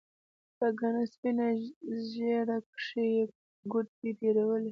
په گڼه سپينه ږيره کښې يې گوتې تېرولې.